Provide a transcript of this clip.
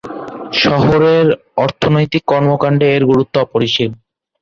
শহরের অর্থনৈতিক কর্মকাণ্ডে এর গুরুত্ব অপরিসীম।